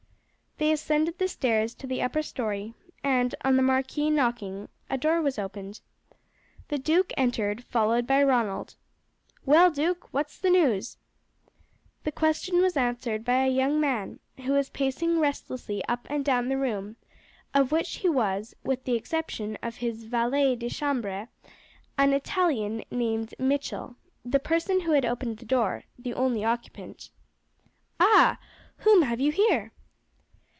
They ascended the stairs to the upper story, and on the marquis knocking, a door was opened. The duke entered, followed by Ronald. "Well, duke, what is the news?" The question was asked by a young man, who was pacing restlessly up and down the room, of which he was, with the exception of his valet de chambre, an Italian named Michel, the person who had opened the door, the only occupant. "Ah! whom have you here?"